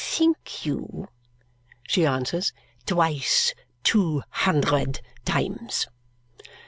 "Think you," she answers, "twice two hundred times!"